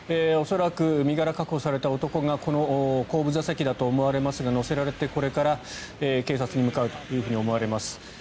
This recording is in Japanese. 恐らく身柄を確保された男がこの後部座席だと思われますが乗せられて、これから警察に向かうと思われます。